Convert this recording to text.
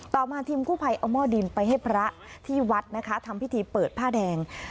ต่อมาทีมกู้ภัยเอาหม้อดินไปให้พระที่วัดนะคะทำพิธีเปิดผ้าแดง